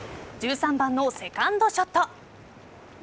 １３番のセカンドショット。